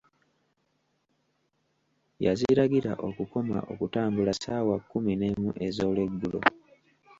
Yaziragira okukoma okutambula ssaawa kkumi n'emu ez'olweggulo.